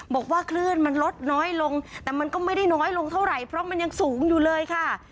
บอกว่าคลื่นมันลดน้อยลงแต่มันก็ไม่ได้น้อยลงเท่าไหร่เพราะมันยังสูงอยู่เลยค่ะ